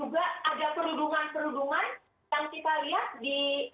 juga ada perlindungan perlindungan yang kita lihat di